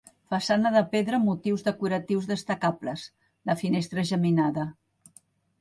Façana de pedra amb motius decoratius destacables: la finestra geminada.